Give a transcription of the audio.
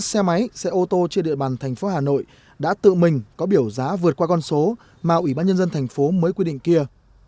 xe máy xe ô tô trên địa bàn tp hà nội đã tự mình có biểu giá vượt qua con số mà ubnd tp mới quyết định kia